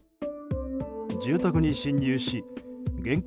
住宅に侵入し現金